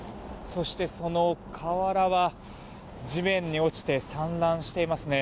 そして、その瓦が地面に落ちて散乱していますね。